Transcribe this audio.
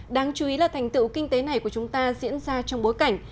đáng chú ý là thành tựu kinh tế này của chúng ta diễn ra trong bối cảnh